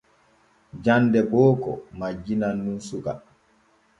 Jande booko majjinan nun suka.